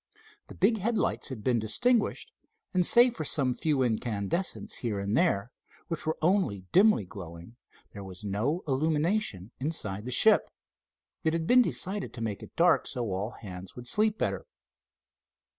The big headlights had been extinguished, and, save for some few incandescents here and there, which were only dimly glowing there was no illumination inside the ship. It had been decided to make it dark so all hands would sleep better.